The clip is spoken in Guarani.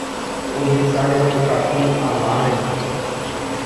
Ojesarekokatu ava rehe.